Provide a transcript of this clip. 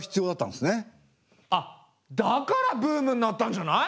あっだからブームになったんじゃない？